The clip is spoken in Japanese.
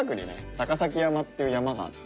高崎山っていう山があって。